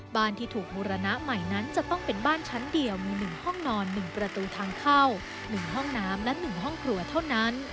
บ้านที่ถูกบูรณะใหม่นั้นจะต้องเป็นบ้านชั้นเดียวมี๑ห้องนอน๑ประตูทางเข้า๑ห้องน้ำและ๑ห้องครัวเท่านั้น